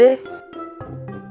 kenapa ada di sini